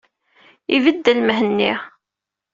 Ibeddel Mhenni.